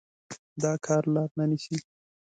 دا کار لار نه نيسي.